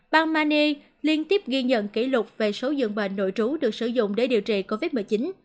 bang mani liên tiếp ghi nhận kỷ lục về số dường bệnh nội trú được sử dụng để điều trị covid một mươi chín